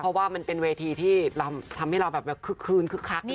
เพราะว่ามันเป็นเวทีที่ทำให้เราแบบคึกคืนคึกคัก